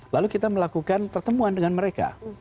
lalu kita melakukan pertemuan dengan mereka